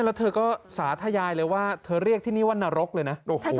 แล้วเธอก็สาธยายเลยว่าเธอเรียกที่นี่ว่านรกเลยนะ